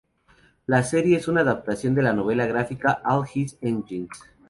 La serie es una adaptación de la novela gráfica All His Engines.